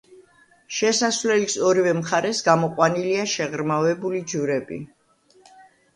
შესასვლელის ორივე მხარეს გამოყვანილია შეღრმავებული ჯვრები.